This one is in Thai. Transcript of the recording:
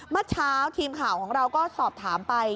เมื่อเช้าทีมข่าวของเราก็สอบถามไป